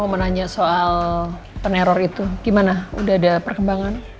mau menanya soal peneror itu gimana udah ada perkembangan